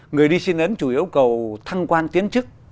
người đi xin ấn chủ yếu cầu thăng quan tiến chức